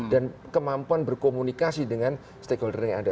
dan kemampuan berkomunikasi dengan stakeholder yang ada